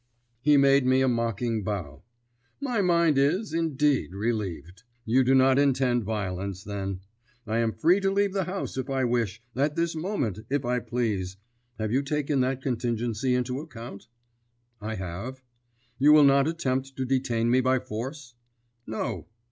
He made me a mocking bow. "My mind is, indeed, relieved. You do not intend violence, then. I am free to leave the house if I wish at this moment, if I please. Have you taken that contingency into account?" "I have." "You will not attempt to detain me by force?" "No."